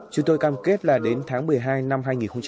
chúng tôi cam kết là đến tháng một mươi hai năm hai nghìn một mươi năm